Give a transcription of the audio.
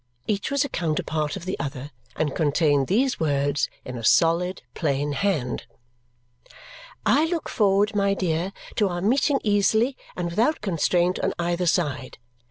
Each was a counterpart of the other and contained these words in a solid, plain hand. I look forward, my dear, to our meeting easily and without constraint on either side.